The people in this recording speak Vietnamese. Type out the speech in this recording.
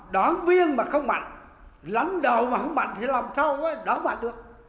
đảng viên mà không mạnh lãnh đạo mà không mạnh thì làm sao đó đỡ mạnh được